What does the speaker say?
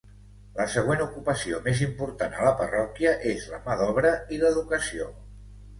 La següent ocupació més important a la parròquia és la mà d'obra i l'educació.